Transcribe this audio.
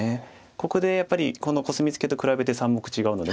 ここでやっぱりこのコスミツケと比べて３目違うので。